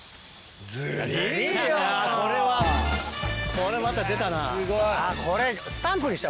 これまた出たな。